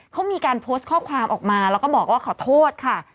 เขามีการโพสต์ข้อความออกมาแล้วก็บอกว่าขอโทษค่ะ